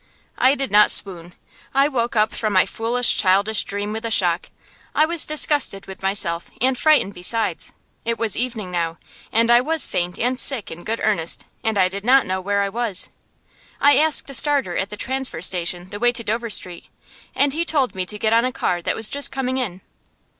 I did not swoon. I woke up from my foolish, childish dream with a shock. I was disgusted with myself, and frightened besides. It was evening now, and I was faint and sick in good earnest, and I did not know where I was. I asked a starter at the transfer station the way to Dover Street, and he told me to get on a car that was just coming in.